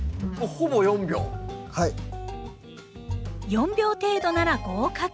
４秒程度なら合格。